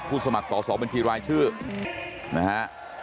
ผู้สมัครสอบสอบเป็นทีรายชื่อนะฮะ